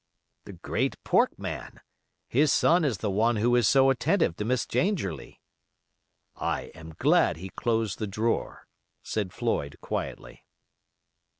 "The great pork man. His son is the one who is so attentive to Miss Dangerlie." "I am glad he closed the drawer," said Floyd, quietly.